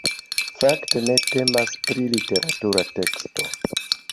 Fakte ne temas pri literatura teksto.